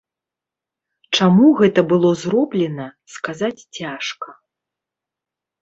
Чаму гэта было зроблена, сказаць цяжка.